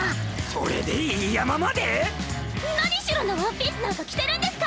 それで飯山まで⁉何白のワンピースなんか着てるんですか！